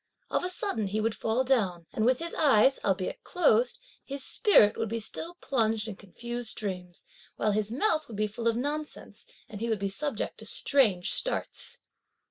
Of a sudden, he would fall down, and with his eyes, albeit closed, his spirit would be still plunged in confused dreams, while his mouth would be full of nonsense and he would be subject to strange starts.